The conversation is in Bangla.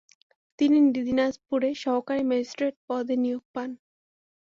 তিনি দিনাজপুরে সহকারী ম্যাজিস্ট্রেট পদে নিয়োগ পান।